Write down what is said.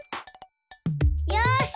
よし！